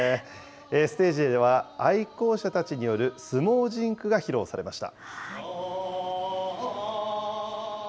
ステージでは愛好者たちによる相撲甚句が披露されました。